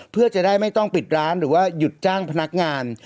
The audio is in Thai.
เพื่อจะได้ไม่ต้องปิดร้านหรือว่าหยุดจ้างพนักงาน